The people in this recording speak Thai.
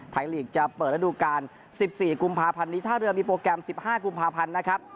ลีกจะเปิดระดูการ๑๔กุมภาพันธ์นี้ท่าเรือมีโปรแกรม๑๕กุมภาพันธ์นะครับ